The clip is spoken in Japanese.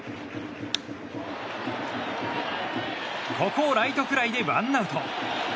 ここをライトフライでワンアウト。